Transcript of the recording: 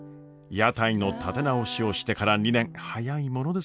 屋台の立て直しをしてから２年早いものですね。